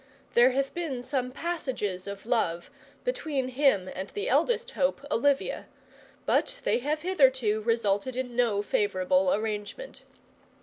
There have been some passages of love between him and the eldest hope, Olivia; but they have hitherto resulted in no favourable arrangement.